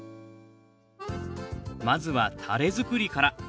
まずはタレ作りから。